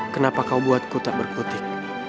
kenapa kau buatku tak berkutik